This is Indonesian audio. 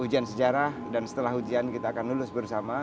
ujian sejarah dan setelah ujian kita akan lulus bersama